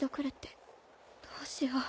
どうしよう。